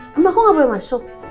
mama aku gak boleh masuk